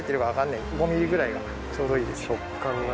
５ミリぐらいがちょうどいいですね。